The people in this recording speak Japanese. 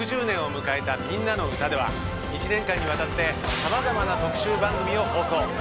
６０年を迎えた「みんなのうた」では一年間にわたってさまざまな特集番組を放送。